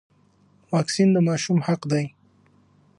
واکسین د ماشوم حق دی.